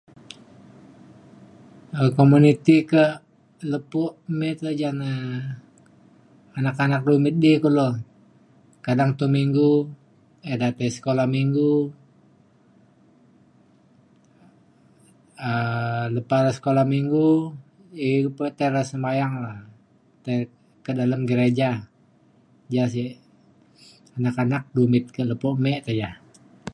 um komuniti kak lepo me ja na anak anak dumit du kulo. kadang tau minggu ida tai sekula minggu um lepa le sekula minggu e- pe tai sembahyang la’a tai ke dalem gereja ja sek anak anak dumit ke lepo me ke ja.